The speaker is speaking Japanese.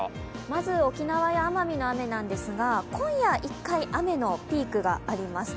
まず、沖縄や奄美の雨ですが、今夜一回、雨のピークがあります。